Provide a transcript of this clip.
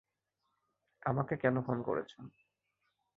আমাকে কেন ফোন করেছো?